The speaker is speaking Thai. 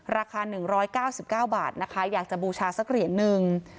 ราคา๑๙๙บาทนะคะอยากจะบูชาสักเหรียญนึง